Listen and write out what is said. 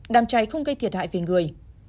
đám cháy không gây thiệt hại về người